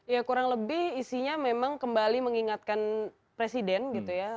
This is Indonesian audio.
ya kurang lebih isinya memang kembali mengingatkan presiden gitu ya